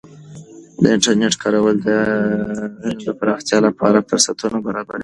د انټرنیټ کارول د علم د پراختیا لپاره فرصتونه برابروي.